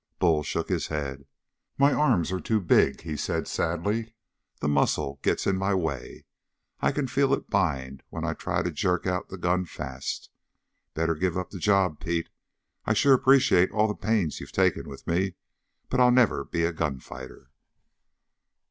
Bull shook his head. "My arms are too big," he said sadly. "The muscle gets in my way. I can feel it bind when I try to jerk out the gun fast. Better give up the job, Pete. I sure appreciate all the pains you've taken with me but I'll never be a gunfighter."